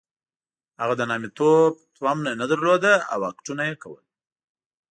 هغه د نامیتوب تومنه نه درلوده خو اکټونه یې کول.